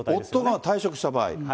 夫が退職した場合。